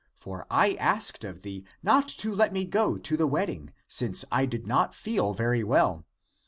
For I asked of thee not to let me go to the wedding, since I did not feel very well.